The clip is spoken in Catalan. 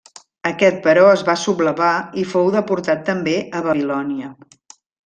Aquest però es va sublevar i fou deportat també a Babilònia.